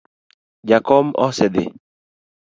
Jakom osedhi